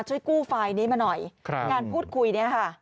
ช่วยกู้ไฟล์นี้มาหน่อยงานพูดคุยเนี่ยค่ะ